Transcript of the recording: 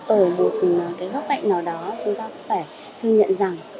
ở một góc cạnh nào đó chúng ta cũng phải thương nhận rằng